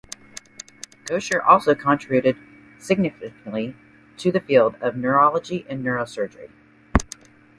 Kocher also contributed significantly to the field of neurology and neurosurgery.